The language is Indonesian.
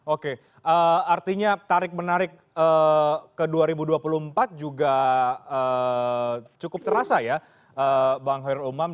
oke artinya tarik menarik ke dua ribu dua puluh empat juga cukup terasa ya bang khoirul umam